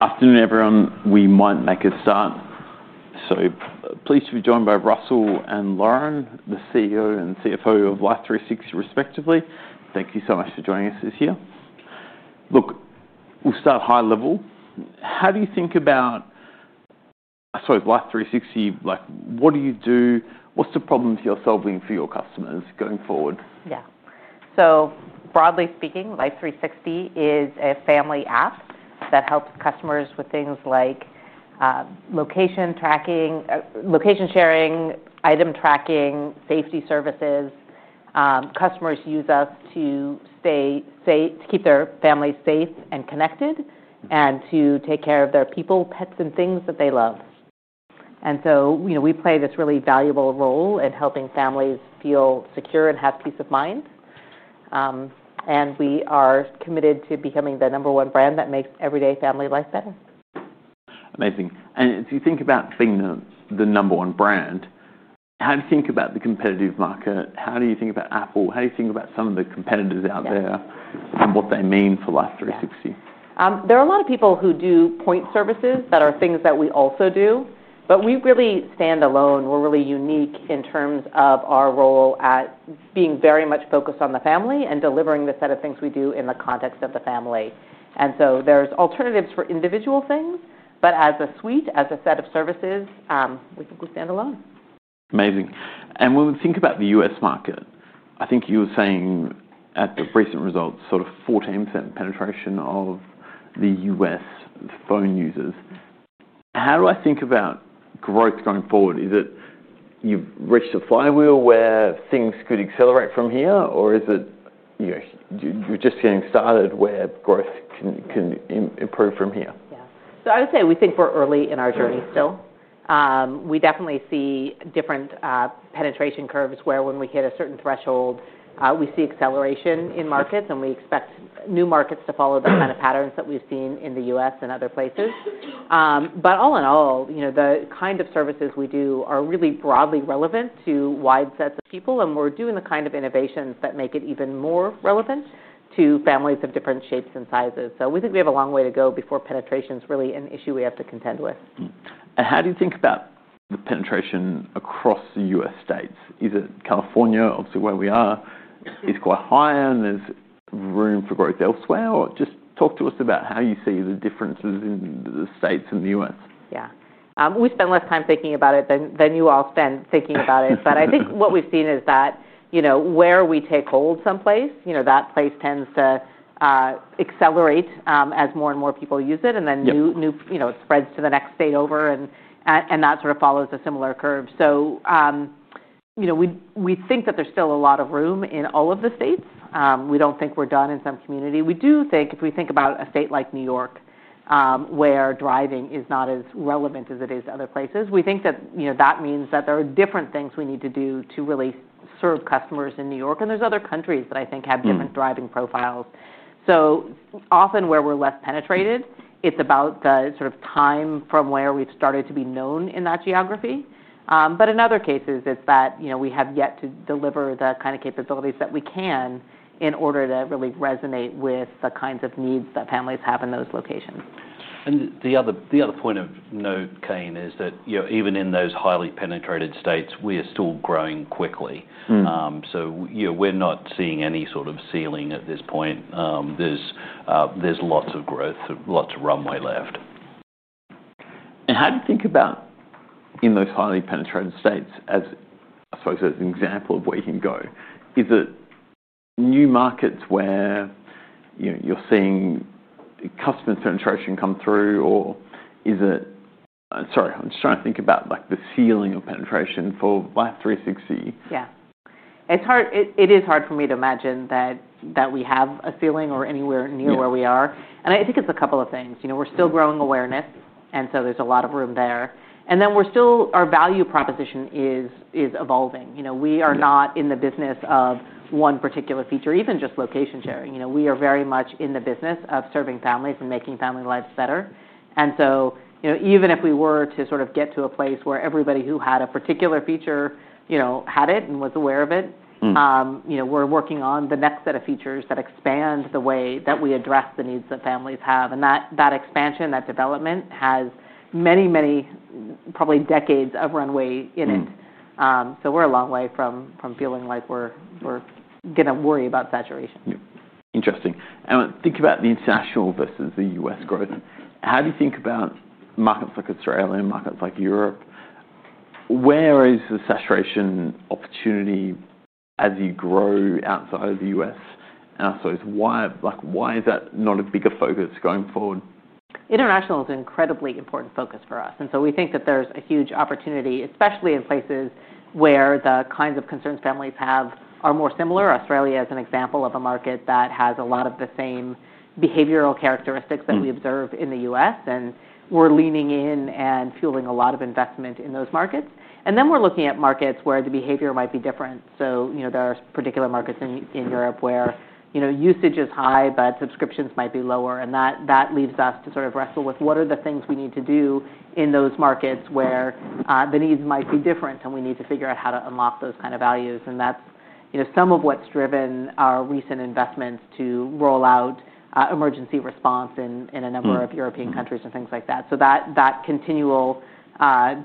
Afternoon, everyone. We might make a start. Pleased to be joined by Russell and Lauren, the CFO and CEO of Life360, respectively. Thank you so much for joining us this year. We'll start high level. How do you think about, I suppose, Life360? Like, what do you do? What's the problems you're solving for your customers going forward? Yeah, so broadly speaking, Life360 is a family app that helps customers with things like location tracking, location sharing, item tracking, and safety services. Customers use us to stay safe, to keep their families safe and connected, and to take care of their people, pets, and things that they love. We play this really valuable role in helping families feel secure and have peace of mind. We are committed to becoming the number one brand that makes everyday family life better. Amazing. If you think about being the number one brand, how do you think about the competitive market? How do you think about Apple? How do you think about some of the competitors out there and what they mean for Life360? There are a lot of people who do point services that are things that we also do. We really stand alone. We're really unique in terms of our role at being very much focused on the family and delivering the set of things we do in the context of the family. There's alternatives for individual things. As a suite, as a set of services, we think we stand alone. Amazing. When we think about the U.S. market, I think you were saying at the recent results, sort of 14% penetration of the U.S. phone users. How do I think about growth going forward? Is it you've reached a flywheel where things could accelerate from here? Is it, you know, you're just getting started where growth can improve from here? Yeah, I would say we think we're early in our journey still. We definitely see different penetration curves where, when we hit a certain threshold, we see acceleration in markets, and we expect new markets to follow the kind of patterns that we've seen in the U.S. and other places. All in all, the kind of services we do are really broadly relevant to wide sets of people. We're doing the kind of innovations that make it even more relevant to families of different shapes and sizes. We think we have a long way to go before penetration is really an issue we have to contend with. How do you think about the penetration across the U.S. states? Is it California, obviously where we are, is quite high, and there's room for growth elsewhere? Just talk to us about how you see the differences in the states in the U.S. Yeah, we spend less time thinking about it than you all spend thinking about it. I think what we've seen is that, you know, where we take hold someplace, that place tends to accelerate as more and more people use it. Then, you know, it spreads to the next state over, and that sort of follows a similar curve. We think that there's still a lot of room in all of the states. We don't think we're done in some community. We do think if we think about a state like New York, where driving is not as relevant as it is to other places, we think that means that there are different things we need to do to really serve customers in New York. There are other countries that I think have different driving profiles. Often where we're less penetrated, it's about the sort of time from where we've started to be known in that geography. In other cases, it's that we have yet to deliver the kind of capabilities that we can in order to really resonate with the kinds of needs that families have in those locations. The other point of note, Kane, is that, you know, even in those highly penetrated states, we are still growing quickly. We're not seeing any sort of ceiling at this point. There's lots of growth, lots of runway left. How do you think about in those highly penetrated states, as I suppose an example of where you can go, is it new markets where you're seeing customer penetration come through? Is it, I'm just trying to think about the ceiling of penetration for Life360? Yeah, it's hard. It is hard for me to imagine that we have a ceiling or anywhere near where we are. I think it's a couple of things. You know, we're still growing awareness, so there's a lot of room there. We're still, our value proposition is evolving. You know, we are not in the business of one particular feature, even just location sharing. We are very much in the business of serving families and making family lives better. Even if we were to sort of get to a place where everybody who had a particular feature had it and was aware of it, we're working on the next set of features that expand the way that we address the needs that families have. That expansion, that development has many, many probably decades of runway in it. We're a long way from feeling like we're going to worry about saturation. Interesting. Thinking about the international versus the U.S. growth, how do you think about markets like Australia and markets like Europe? Where is the saturation opportunity as you grow outside of the U.S.? I suppose, why is that not a bigger focus going forward? International is an incredibly important focus for us. We think that there's a huge opportunity, especially in places where the kinds of concerns families have are more similar. Australia is an example of a market that has a lot of the same behavioral characteristics that we observe in the U.S. We're leaning in and fueling a lot of investment in those markets. We're looking at markets where the behavior might be different. There are particular markets in Europe where usage is high, but subscriptions might be lower. That leaves us to sort of wrestle with what are the things we need to do in those markets where the needs might be different. We need to figure out how to unlock those kind of values. That's some of what's driven our recent investments to roll out emergency response capabilities in a number of European countries and things like that. That continual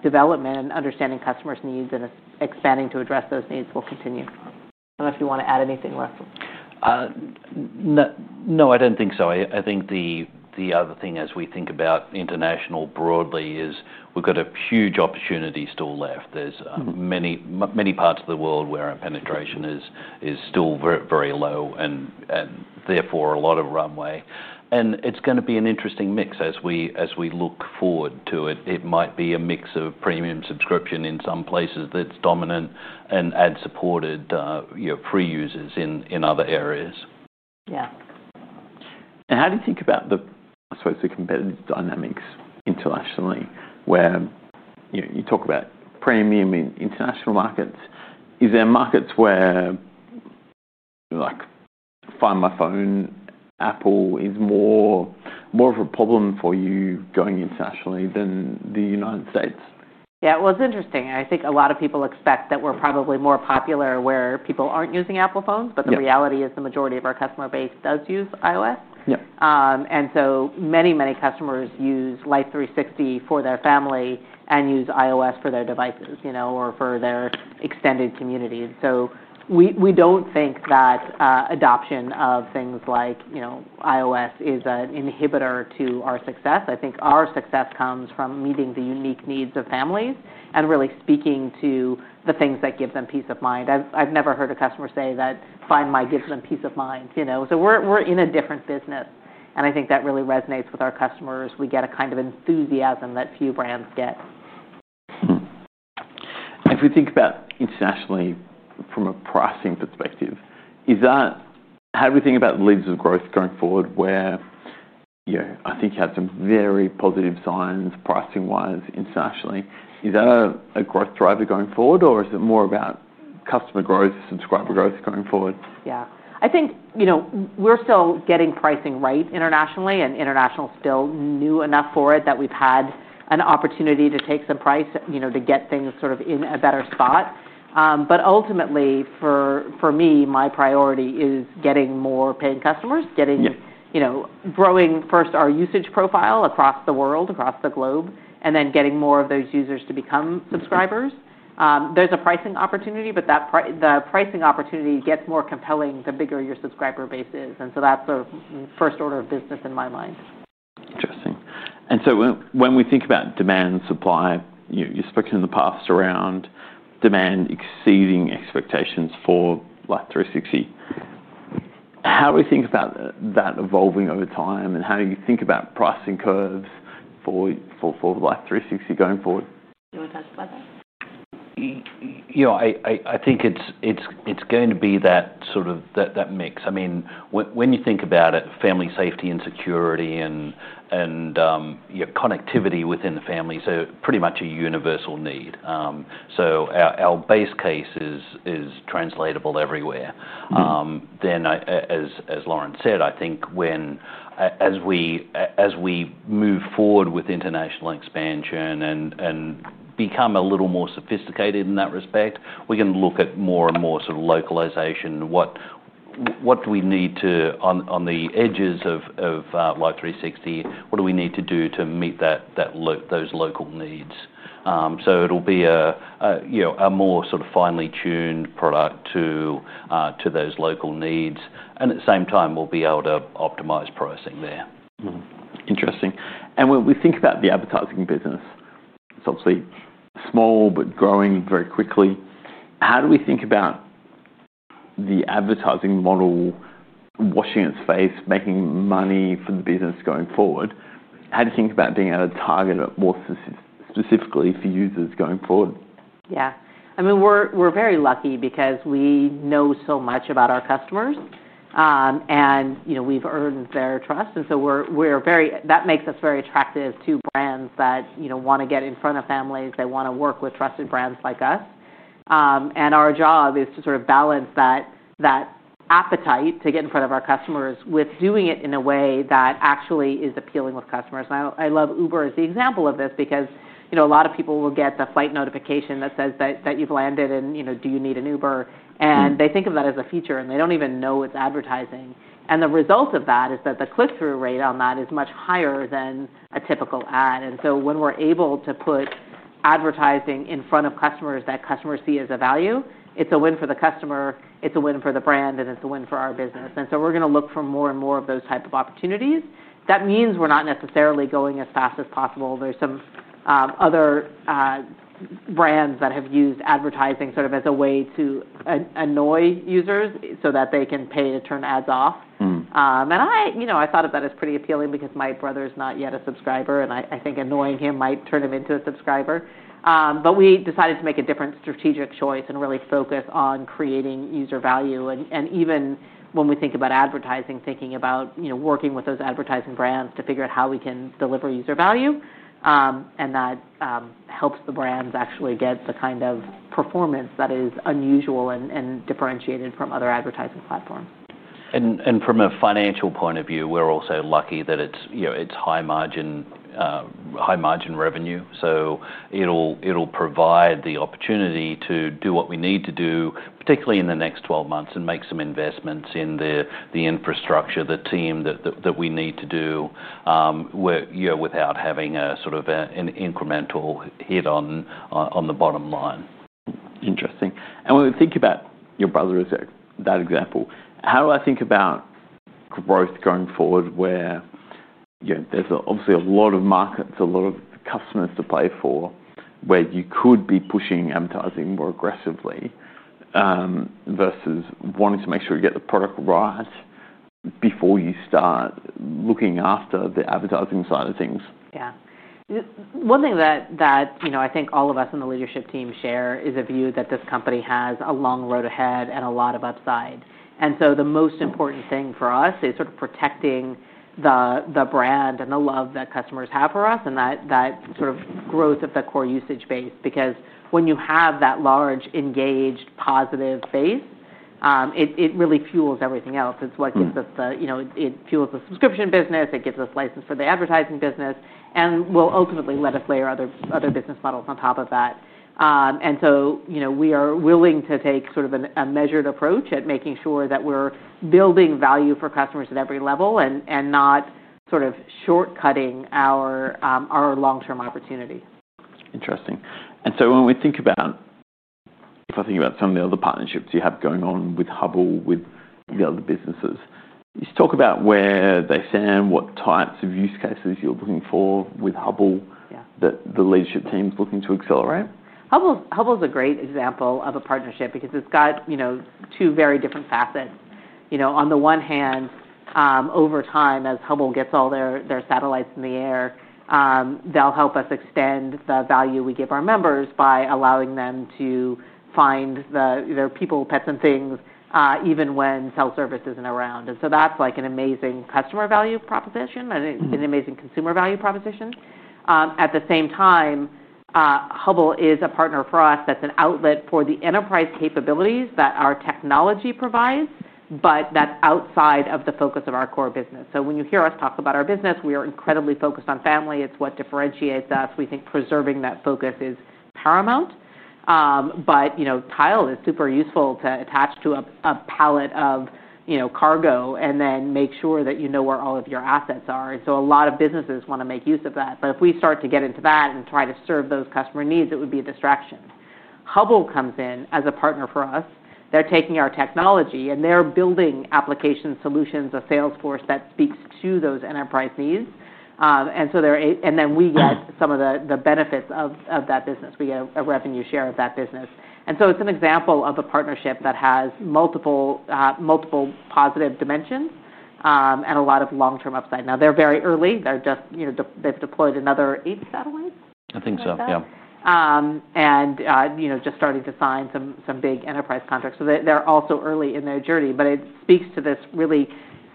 development and understanding customers' needs and expanding to address those needs will continue. I don't know if you want to add anything, Russell. No, I don't think so. I think the other thing as we think about international broadly is we've got a huge opportunity still left. There are many, many parts of the world where our penetration is still very low and therefore a lot of runway. It's going to be an interesting mix as we look forward to it. It might be a mix of premium subscriptions in some places that's dominant and supported, you know, free users in other areas. Yeah. How do you think about the, I suppose, the competitive dynamics internationally where you talk about premium in international markets? Is there markets where like Find My phone, Apple is more of a problem for you going internationally than the United States? It's interesting. I think a lot of people expect that we're probably more popular where people aren't using Apple phones, but the reality is the majority of our customer base does use iOS. Yeah. Many customers use Life360 for their family and use iOS for their devices or for their extended community. We don't think that adoption of things like iOS is an inhibitor to our success. I think our success comes from meeting the unique needs of families and really speaking to the things that give them peace of mind. I've never heard a customer say that Find My gives them peace of mind. We are in a different business, and I think that really resonates with our customers. We get a kind of enthusiasm that few brands get. If we think about internationally from a pricing perspective, how do we think about the leads of growth going forward where, you know, I think you had some very positive signs pricing-wise internationally? Is that a growth driver going forward, or is it more about customer growth, subscriber growth going forward? Yeah, I think we're still getting pricing right internationally. International is still new enough for it that we've had an opportunity to take some price to get things sort of in a better spot. Ultimately, for me, my priority is getting more paying customers, growing first our usage profile across the world, across the globe, and then getting more of those users to become subscribers. There's a pricing opportunity, but the pricing opportunity gets more compelling the bigger your subscriber base is. That's our first order of business in my mind. Interesting. When we think about demand and supply, you've spoken in the past around demand exceeding expectations for Life360. How do we think about that evolving over time? How do you think about pricing curves for Life360 going forward? I think it's going to be that sort of mix. I mean, when you think about it, family safety and security and connectivity within the families are pretty much a universal need. Our base case is translatable everywhere. Then, as Lauren said, I think as we move forward with international expansion and become a little more sophisticated in that respect, we can look at more and more localization. What do we need to, on the edges of Life360, what do we need to do to meet those local needs? It'll be a more finely tuned product to those local needs. At the same time, we'll be able to optimize pricing there. Interesting. When we think about the advertising business, it's obviously small but growing very quickly. How do we think about the advertising model washing its face, making money for the business going forward? How do you think about being at a target more specifically for users going forward? Yeah, I mean, we're very lucky because we know so much about our customers. We've earned their trust, and that makes us very attractive to brands that want to get in front of families. They want to work with trusted brands like us. Our job is to sort of balance that appetite to get in front of our customers with doing it in a way that actually is appealing with customers. I love Uber as the example of this because a lot of people will get the flight notification that says that you've landed and, you know, do you need an Uber? They think of that as a feature, and they don't even know it's advertising. The result of that is that the click-through rate on that is much higher than a typical ad. When we're able to put advertising in front of customers that customers see as a value, it's a win for the customer, it's a win for the brand, and it's a win for our business. We're going to look for more and more of those types of opportunities. That means we're not necessarily going as fast as possible. There are some other brands that have used advertising as a way to annoy users so that they can pay to turn ads off. I thought of that as pretty appealing because my brother is not yet a subscriber, and I think annoying him might turn him into a subscriber. We decided to make a different strategic choice and really focus on creating user value. Even when we think about advertising, thinking about working with those advertising brands to figure out how we can deliver user value, that helps the brands actually get the kind of performance that is unusual and differentiated from other advertising platforms. From a financial point of view, we're also lucky that it's high margin, high margin revenue. It'll provide the opportunity to do what we need to do, particularly in the next 12 months, and make some investments in the infrastructure, the team that we need to do without having a sort of an incremental hit on the bottom line. Interesting. When we think about your brother's example, how do I think about growth going forward where, you know, there's obviously a lot of markets, a lot of customers to play for, where you could be pushing advertising more aggressively versus wanting to make sure you get the product right before you start looking after the advertising side of things? One thing that I think all of us on the leadership team share is a view that this company has a long road ahead and a lot of upside. The most important thing for us is protecting the brand and the love that customers have for us and that growth of the core usage base. When you have that large, engaged, positive base, it really fuels everything else. It's what gives us the—it fuels the subscription business. It gives us license for the advertising business and will ultimately let us layer other business models on top of that. We are willing to take a measured approach at making sure that we're building value for customers at every level and not shortcutting our long-term opportunity. Interesting. If I think about some of the other partnerships you have going on with Hubble, with the other businesses, can you talk about where they stand, what types of use cases you're looking for with Hubble that the leadership team is looking to accelerate? Hubble is a great example of a partnership because it's got, you know, two very different facets. On the one hand, over time, as Hubble gets all their satellites in the air, they'll help us extend the value we give our members by allowing them to find their people, pets, and things even when cell service isn't around. That's an amazing customer value proposition, an amazing consumer value proposition. At the same time, Hubble is a partner for us that's an outlet for the enterprise capabilities that our technology provides, but that's outside of the focus of our core business. When you hear us talk about our business, we are incredibly focused on family. It's what differentiates us. We think preserving that focus is paramount. Tile is super useful to attach to a pallet of cargo and then make sure that you know where all of your assets are. A lot of businesses want to make use of that. If we start to get into that and try to serve those customer needs, it would be a distraction. Hubble comes in as a partner for us. They're taking our technology, and they're building application solutions, a sales force that speaks to those enterprise needs. We get some of the benefits of that business. We get a revenue share of that business. It's an example of a partnership that has multiple positive dimensions and a lot of long-term upside. They're very early. They've deployed another eight satellites. I think so, yeah. You know, just starting to sign some big enterprise contracts. They're also early in their journey, but it speaks to this really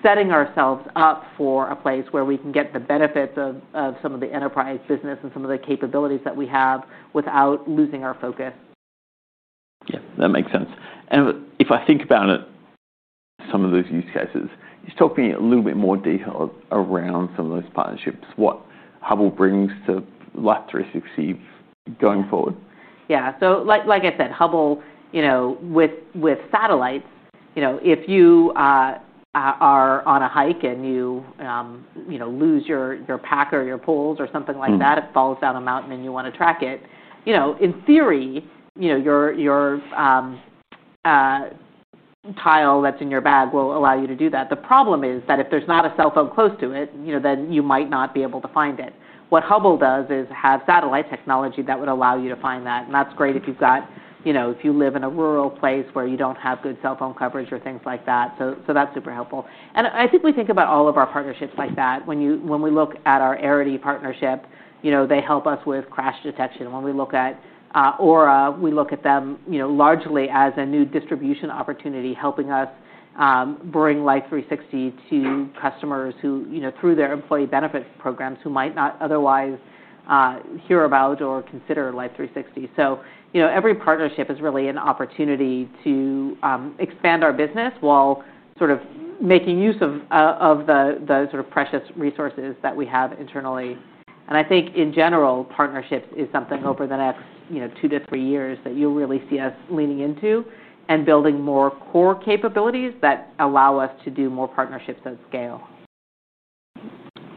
setting ourselves up for a place where we can get the benefits of some of the enterprise business and some of the capabilities that we have without losing our focus. Yeah, that makes sense. If I think about some of those use cases, can you talk to me a little bit more in detail around some of those partnerships, what Hubble brings to Life360 going forward. Yeah, like I said, Hubble, with satellites, if you are on a hike and you lose your pack or your poles or something like that, it falls down a mountain and you want to track it. In theory, your Tile that's in your bag will allow you to do that. The problem is that if there's not a cell phone close to it, you might not be able to find it. What Hubble does is have satellite technology that would allow you to find that. That's great if you live in a rural place where you don't have good cell phone coverage or things like that. That's super helpful. I think we think about all of our partnerships like that. When we look at our Arity partnership, they help us with crash detection. When we look at Aura, we look at them largely as a new distribution opportunity, helping us bring Life360 to customers who, through their employee benefits programs, might not otherwise hear about or consider Life360. Every partnership is really an opportunity to expand our business while making use of the precious resources that we have internally. I think in general, partnerships is something over the next two to three years that you'll really see us leaning into and building more core capabilities that allow us to do more partnerships at scale.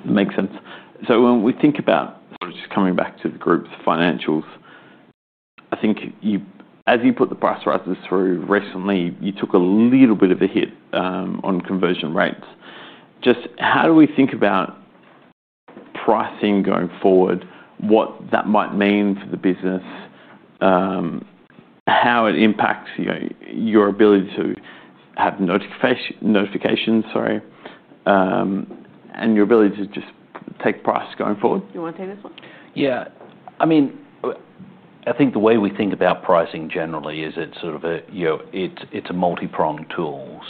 Makes sense. When we think about, just coming back to the group's financials, I think you, as you put the brass rattlers through recently, you took a little bit of a hit on conversion rates. How do we think about pricing going forward, what that might mean for the business, how it impacts your ability to have notifications, sorry, and your ability to just take price going forward? You want to take this one? Yeah, I mean, I think the way we think about pricing generally is it's sort of a, you know, it's a multi-pronged tool.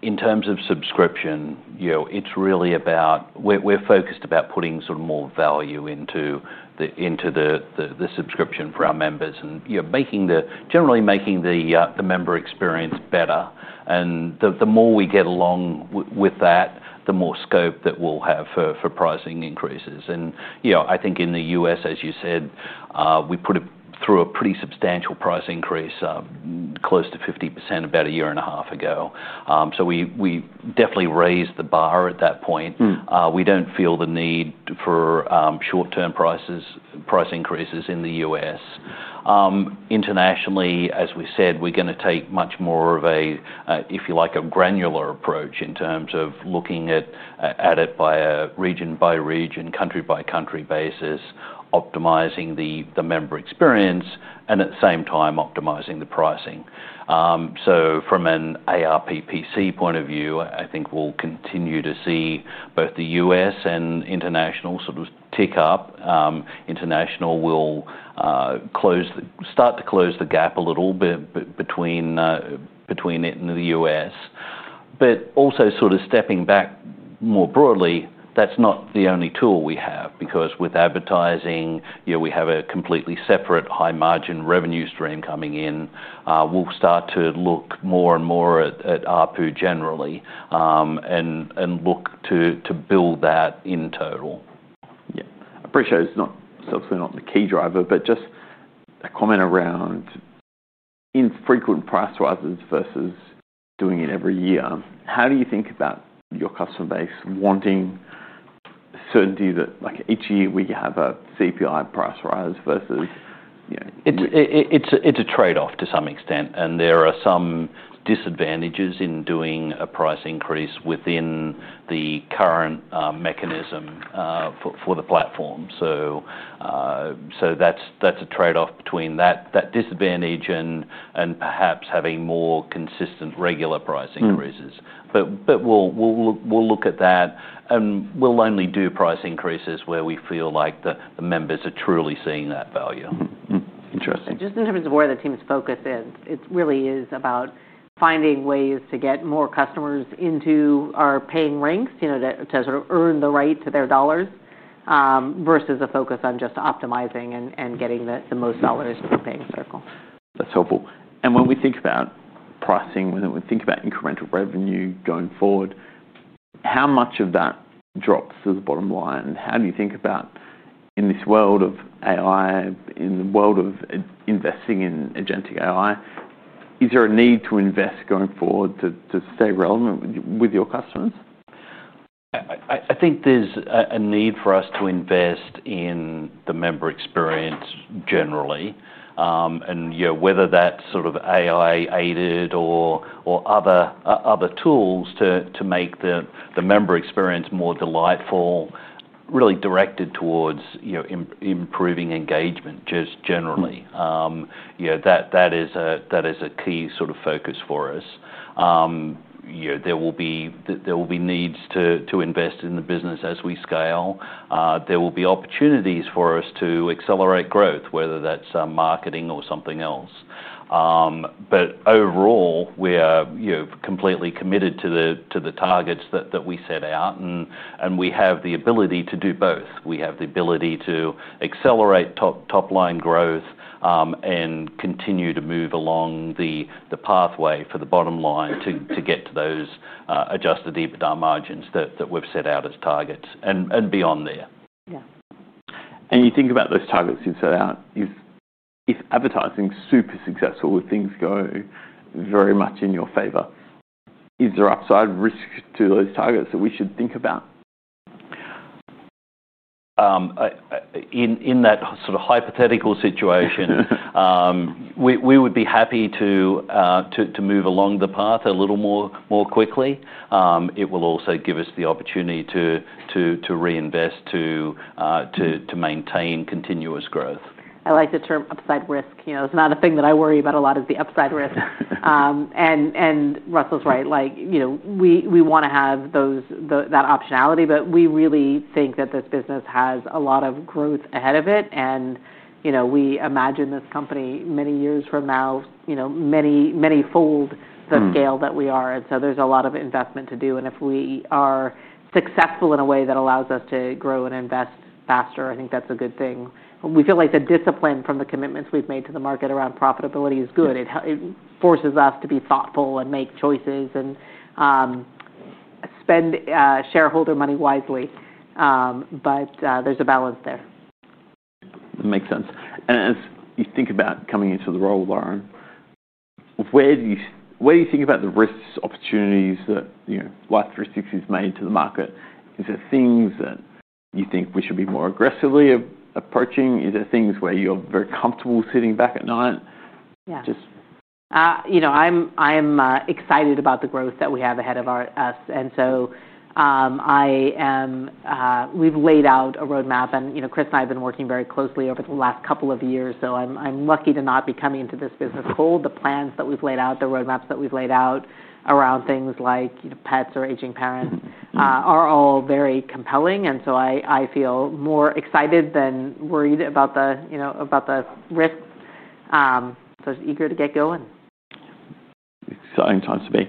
In terms of subscription, you know, it's really about, we're focused about putting sort of more value into the subscription for our members and, you know, making the, generally making the member experience better. The more we get along with that, the more scope that we'll have for pricing increases. I think in the U.S., as you said, we put it through a pretty substantial price increase, close to 50% about a year and a half ago. We definitely raised the bar at that point. We don't feel the need for short-term price increases in the U.S. Internationally, as we said, we're going to take much more of a, if you like, a granular approach in terms of looking at it by a region-by-region, country-by-country basis, optimizing the member experience, and at the same time, optimizing the pricing. From an ARPPC point of view, I think we'll continue to see both the U.S. and international sort of tick up. International will start to close the gap a little bit between it and the U.S. Also, stepping back more broadly, that's not the only tool we have because with advertising, you know, we have a completely separate high-margin revenue stream coming in. We'll start to look more and more at ARPU generally and look to build that in total. Yeah. I appreciate it's not, it's obviously not the key driver, but just a comment around infrequent price rises versus doing it every year. How do you think about your customer base wanting certainty that like each year we have a CPI price rise versus, you know? It's a trade-off to some extent. There are some disadvantages in doing a price increase within the current mechanism for the platform. That's a trade-off between that disadvantage and perhaps having more consistent regular price increases. We'll look at that. We'll only do price increases where we feel like the members are truly seeing that value. Interesting. Just in terms of where the team is focused, it really is about finding ways to get more customers into our paying ranks, to sort of earn the right to their dollars versus a focus on just optimizing and getting the most dollars to the paying circle. That's helpful. When we think about pricing, when we think about incremental revenue going forward, how much of that drops as a bottom line? How do you think about in this world of AI, in the world of investing in agentic AI, is there a need to invest going forward to stay relevant with your customers? I think there's a need for us to invest in the member experience generally. Whether that's sort of AI-aided or other tools to make the member experience more delightful, really directed towards improving engagement just generally, that is a key sort of focus for us. There will be needs to invest in the business as we scale. There will be opportunities for us to accelerate growth, whether that's marketing or something else. Overall, we are completely committed to the targets that we set out. We have the ability to do both. We have the ability to accelerate top-line growth and continue to move along the pathway for the bottom line to get to those adjusted EBITDA margins that we've set out as targets and beyond there. Yeah. You think about those targets you've set out. If advertising is super successful, if things go very much in your favor, is there upside risk to those targets that we should think about? In that sort of hypothetical situation, we would be happy to move along the path a little more quickly. It will also give us the opportunity to reinvest, to maintain continuous growth. I like the term upside risk. Another thing that I worry about a lot is the upside risk. Russell's right. We want to have that optionality. We really think that this business has a lot of growth ahead of it. We imagine this company many years from now, many, many fold the scale that we are. There's a lot of investment to do. If we are successful in a way that allows us to grow and invest faster, I think that's a good thing. We feel like the discipline from the commitments we've made to the market around profitability is good. It forces us to be thoughtful and make choices and spend shareholder money wisely. There's a balance there. Makes sense. As you think about coming into the role, Lauren, where do you think about the risks, opportunities that Life360 has made to the market? Is there things that you think we should be more aggressively approaching? Is there things where you're very comfortable sitting back at night? I'm excited about the growth that we have ahead of us. We've laid out a roadmap, and Chris and I have been working very closely over the last couple of years. I'm lucky to not be coming into this business cold. The plans that we've laid out, the roadmaps that we've laid out around things like pets or aging parents are all very compelling. I feel more excited than worried about the risk. I'm eager to get going. Exciting times to be.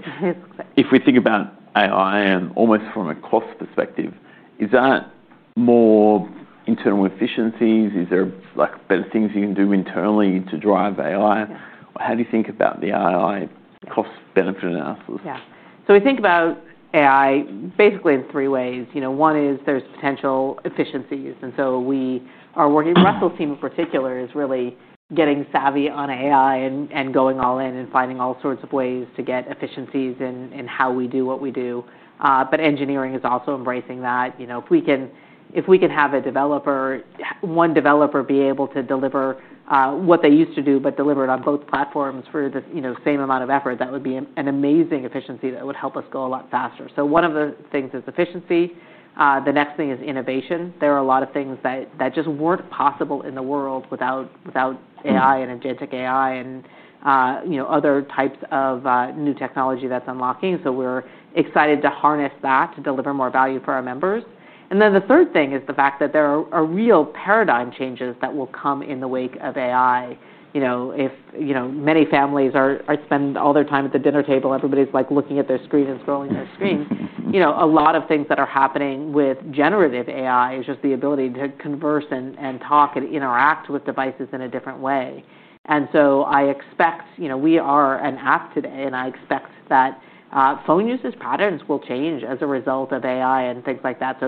If we think about AI and almost from a cost perspective, is that more internal efficiencies? Is there like better things you can do internally to drive AI? How do you think about the AI cost-benefit analysis? Yeah. We think about AI basically in three ways. One is there's potential efficiencies. We are working, Russell's team in particular, is really getting savvy on AI and going all in and finding all sorts of ways to get efficiencies in how we do what we do. Engineering is also embracing that. If we can have a developer, one developer, be able to deliver what they used to do, but deliver it on both platforms for the same amount of effort, that would be an amazing efficiency that would help us go a lot faster. One of the things is efficiency. The next thing is innovation. There are a lot of things that just weren't possible in the world without AI and agentic AI and other types of new technology that's unlocking. We're excited to harness that to deliver more value for our members. The third thing is the fact that there are real paradigm changes that will come in the wake of AI. Many families spend all their time at the dinner table, everybody's looking at their screen and scrolling their screens. A lot of things that are happening with generative AI is just the ability to converse and talk and interact with devices in a different way. I expect we are an app today. I expect that phone usage patterns will change as a result of AI and things like that.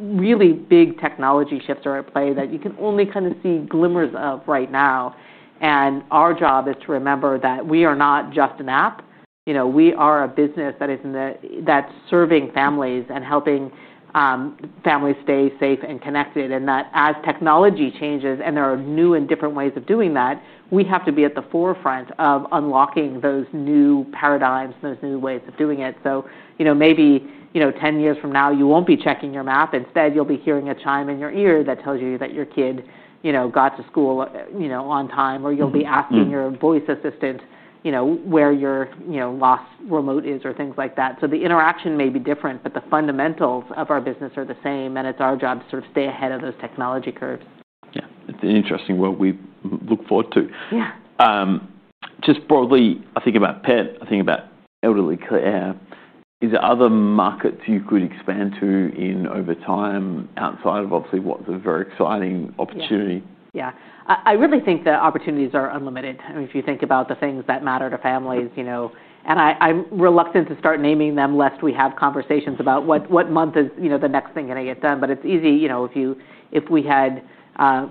Really big technology shifts are at play that you can only kind of see glimmers of right now. Our job is to remember that we are not just an app. We are a business that is serving families and helping families stay safe and connected. As technology changes and there are new and different ways of doing that, we have to be at the forefront of unlocking those new paradigms and those new ways of doing it. Maybe 10 years from now, you won't be checking your map. Instead, you'll be hearing a chime in your ear that tells you that your kid got to school on time. Or you'll be asking your voice assistant where your lost remote is or things like that. The interaction may be different, but the fundamentals of our business are the same. It's our job to sort of stay ahead of those technology curves. Yeah, it's an interesting world we look forward to. Yeah. Just broadly, I think about pet, I think about elderly care. Are there other markets you could expand to in over time outside of obviously what's a very exciting opportunity? Yeah, I really think the opportunities are unlimited. I mean, if you think about the things that matter to families, you know, and I'm reluctant to start naming them lest we have conversations about what month is, you know, the next thing going to get done. It's easy, you know, if we had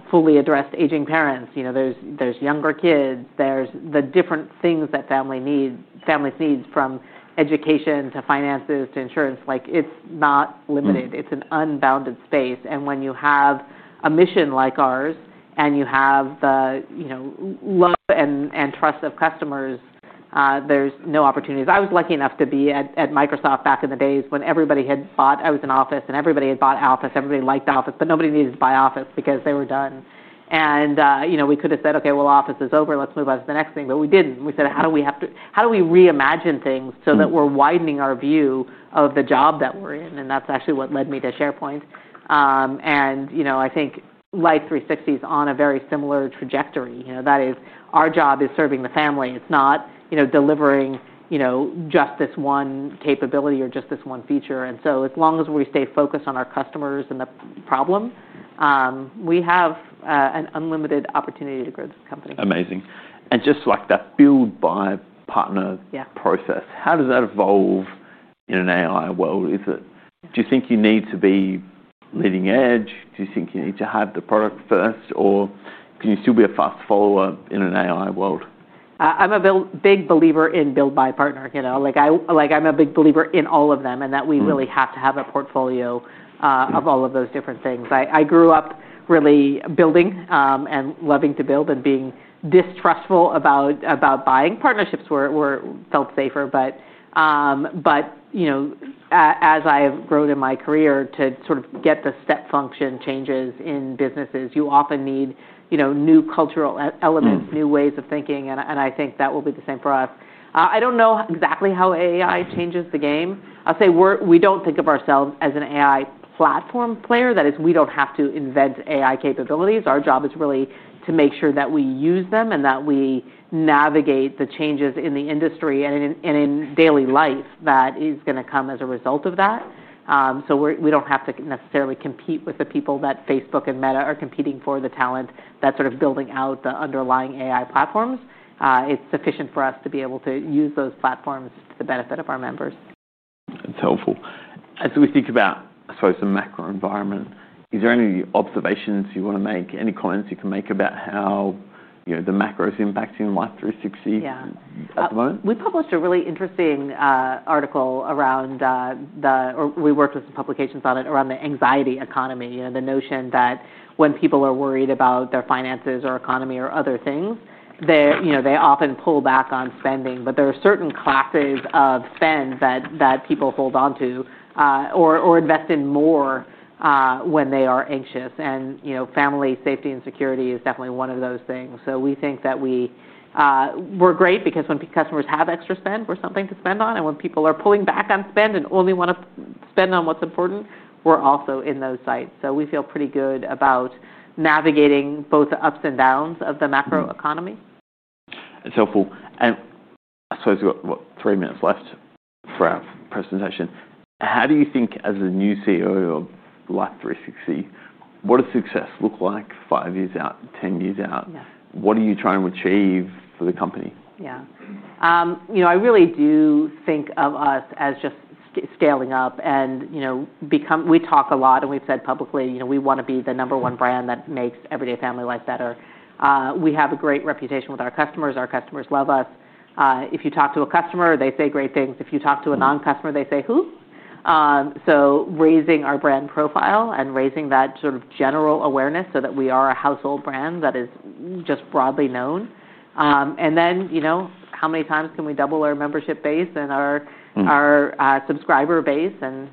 fully addressed aging parents, you know, there's younger kids. There's the different things that families need, from education to finances to insurance. It's not limited. It's an unbounded space. When you have a mission like ours and you have the love and trust of customers, there's no opportunities. I was lucky enough to be at Microsoft back in the days when everybody had bought, I was in Office, and everybody had bought Office. Everybody liked Office, but nobody needed to buy Office because they were done. We could have said, OK, Office is over. Let's move on to the next thing. We didn't. We said, how do we have to, how do we reimagine things so that we're widening our view of the job that we're in? That's actually what led me to SharePoint. I think Life360 is on a very similar trajectory. That is, our job is serving the family. It's not delivering just this one capability or just this one feature. As long as we stay focused on our customers and the problem, we have an unlimited opportunity to grow this company. Amazing. Just like that build by partner process, how does that evolve in an AI world? Do you think you need to be leading edge? Do you think you need to have the product first? Can you still be a fast follower in an AI world? I'm a big believer in build, buy, partner. I'm a big believer in all of them and that we really have to have a portfolio of all of those different things. I grew up really building and loving to build and being distrustful about buying, partnerships where it felt safer. As I have grown in my career to sort of get the step function changes in businesses, you often need new cultural elements, new ways of thinking. I think that will be the same for us. I don't know exactly how AI changes the game. I'll say we don't think of ourselves as an AI platform player. That is, we don't have to invent AI capabilities. Our job is really to make sure that we use them and that we navigate the changes in the industry and in daily life that is going to come as a result of that. We don't have to necessarily compete with the people that Facebook and Meta are competing for, the talent that's sort of building out the underlying AI platforms. It's sufficient for us to be able to use those platforms to the benefit of our members. That's helpful. As we think about, I suppose, the macro environment, is there any observations you want to make? Any comments you can make about how, you know, the macro is impacting Life360 at the moment? We published a really interesting article, or we worked with some publications on it, around the anxiety economy, the notion that when people are worried about their finances or economy or other things, they often pull back on spending. There are certain classes of spend that people hold on to or invest in more when they are anxious. Family safety and security is definitely one of those things. We think that we're great because when customers have extra spend, we're something to spend on. When people are pulling back on spend and only want to spend on what's important, we're also in those sites. We feel pretty good about navigating both the ups and downs of the macro economy. That's helpful. I suppose we've got, what, three minutes left for our presentation. How do you think, as a new CEO of Life360, what does success look like five years out, 10 years out? What are you trying to achieve for the company? Yeah, I really do think of us as just scaling up. We talk a lot, and we've said publicly, we want to be the number one brand that makes everyday family life better. We have a great reputation with our customers. Our customers love us. If you talk to a customer, they say great things. If you talk to a non-customer, they say who? Raising our brand profile and raising that sort of general awareness so that we are a household brand that is just broadly known is important. How many times can we double our membership base and our subscriber base and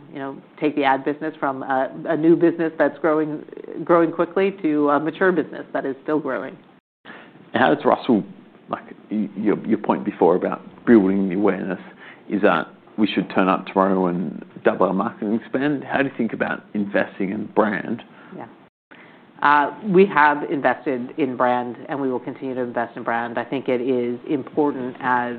take the ad business from a new business that's growing quickly to a mature business that is still growing? Russell, like your point before about building the awareness, is that we should turn up tomorrow and double our marketing spend? How do you think about investing in brand? Yeah, we have invested in brand, and we will continue to invest in brand. I think it is important as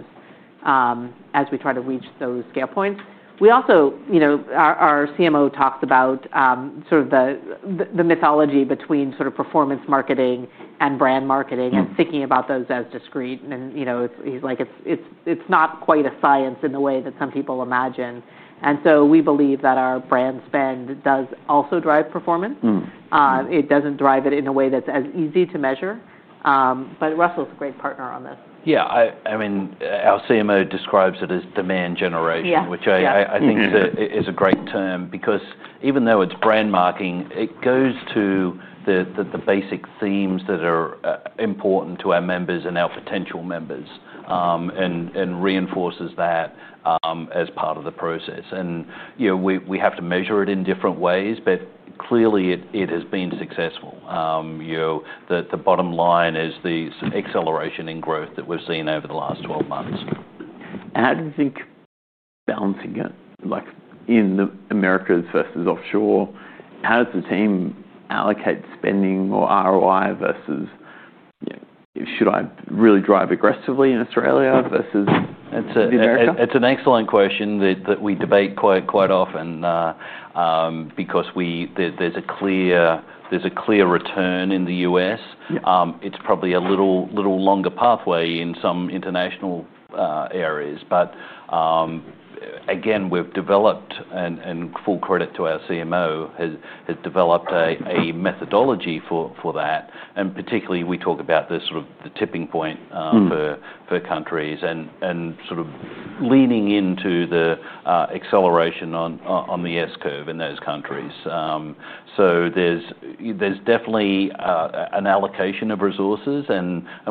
we try to reach those scale points. Our CMO talks about the mythology between performance marketing and brand marketing and thinking about those as discrete. He's like, it's not quite a science in the way that some people imagine. We believe that our brand spend does also drive performance. It doesn't drive it in a way that's as easy to measure, but Russell is a great partner on this. Yeah, I mean, our CMO describes it as demand generation, which I think is a great term because even though it's brand marketing, it goes to the basic themes that are important to our members and our potential members and reinforces that as part of the process. We have to measure it in different ways. Clearly, it has been successful. The bottom line is the acceleration in growth that we've seen over the last 12 months. How do you think balancing it, like in the Americas versus offshore? How does the team allocate spending or ROI versus, you know, should I really drive aggressively in Australia versus? In America? It's an excellent question that we debate quite often because there's a clear return in the U.S. It's probably a little longer pathway in some international areas. We've developed, and full credit to our CMO, has developed a methodology for that. Particularly, we talk about the sort of the tipping point for countries and sort of leaning into the acceleration on the S-curve in those countries. There's definitely an allocation of resources.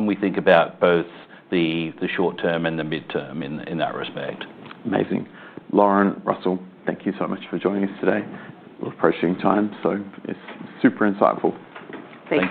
We think about both the short term and the mid term in that respect. Amazing. Lauren, Russell, thank you so much for joining us today. We're approaching time. It's super insightful. Thank you.